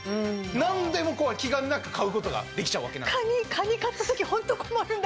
何でも気兼ねなく買うことができちゃうわけなんです。